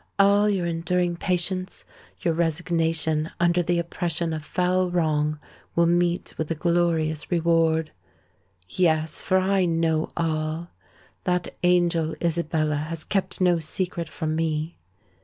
All your enduring patience, your resignation under the oppression of foul wrong, will meet with a glorious reward. Yes—for I know all:—that angel Isabella has kept no secret from me.